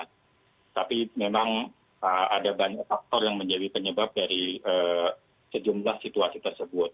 tapi memang ada banyak faktor yang menjadi penyebab dari sejumlah situasi tersebut